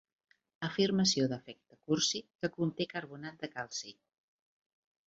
Afirmació d'afecte cursi que conté carbonat de calci.